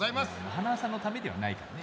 塙さんのためではないからね。